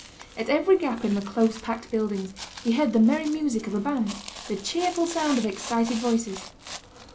At every gap in the close packed buildings he heard the merry music of a band, the cheerful sound of excited voices.